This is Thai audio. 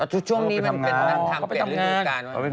แล้วทุกช่วงนี้มันเป็นทางเปลี่ยนอีกกัน